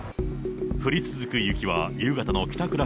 降り続く雪は夕方の帰宅